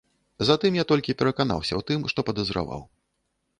Затым я толькі пераканаўся ў тым, што падазраваў.